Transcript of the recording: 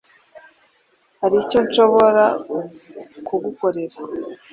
Hari icyo nshobora kugukorera?